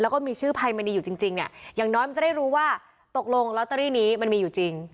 แล้วก็มีชื่อภัยมณีอยู่จริงเนี่ยอย่างน้อยมันจะได้รู้ว่าตกลงลอตเตอรี่นี้มันมีอยู่จริง